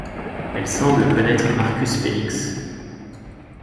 Elle semble connaître Marcus Fenix.